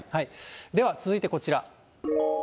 では続いてこちら。